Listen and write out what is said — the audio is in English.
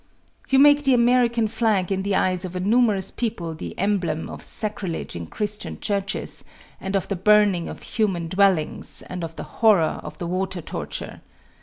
You make the American flag in the eyes of a numerous people the emblem of sacrilege in Christian churches, and of the burning of human dwellings, and of the horror of the water torture.